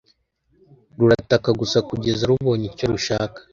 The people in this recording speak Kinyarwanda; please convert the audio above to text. rurataka gusa kugeza rubonye icyo rushaka.